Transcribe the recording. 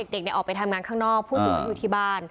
เด็กเนี่ยออกไปทำงานข้างนอกผู้สูงอายุที่บ้าน